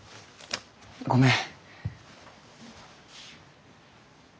ごめん。